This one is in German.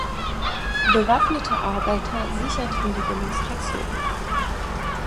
Bewaffnete Arbeiter sicherten die Demonstration.